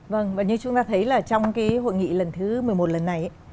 vâng và như chúng ta thấy là trong cái hội nghị lần thứ một mươi một lần này